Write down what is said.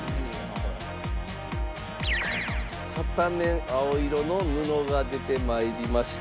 片面青色の布が出て参りました。